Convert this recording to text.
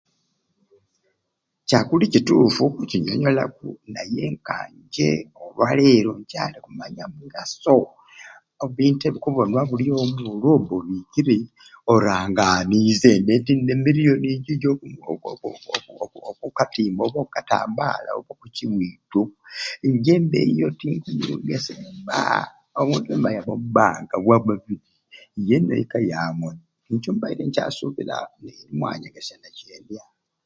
Kyakuli kituffu okucinyonyolaku naye nkanje olwaleero nkyali kumanya mugaso ebintu ebikubonywa obuli omwei olwo oba obikire oranganizembe nti ndina emiryoni njijo okukuku okukatimba oba okukatambala oba okukiwiitu nje eyo tinkumba omuntumbe ayabe omubanka ye ne'kka yamwei nikyo mbaire nkyasubiira nimwanyegesya nakyendya.